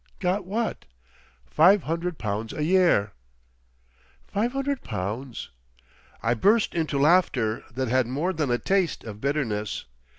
"Got what?" "Five hundred pounds a year." "Five hundred pounds!" I burst into laughter that had more than a taste of bitterness.